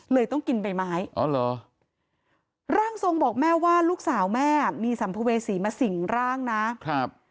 ต้องกินใบไม้อ๋อเหรอร่างทรงบอกแม่ว่าลูกสาวแม่มีสัมภเวษีมาสิ่งร่างนะครับ